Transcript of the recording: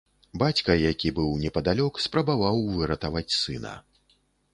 Бацька, які быў непадалёк, спрабаваў выратаваць сына.